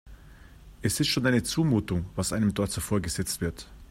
Es ist schon eine Zumutung, was einem dort so vorgesetzt wird.